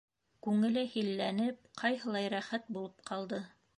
Күңеле һилләнеп, ҡайһылай рәхәт булып ҡалды!